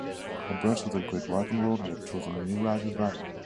A branch of the Great Wagon Road led through the New River Valley.